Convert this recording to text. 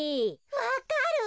わかる？